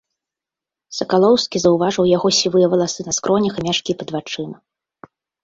Сакалоўскі заўважыў у яго сівыя валасы на скронях і мяшкі пад вачыма.